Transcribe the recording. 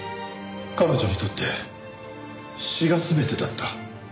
彼女にとって詩が全てだった。